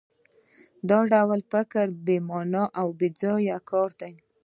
دا ډول فکر کول بې مانا او بېځایه کار دی